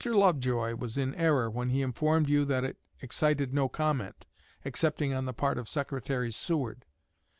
Lovejoy was in error when he informed you that it excited no comment, excepting on the part of Secretary Seward.